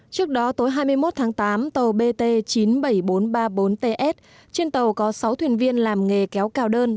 trước đó tối hai mươi một tháng tám tàu bt chín mươi bảy nghìn bốn trăm ba mươi bốn ts trên tàu có sáu thuyền viên làm nghề kéo cào đơn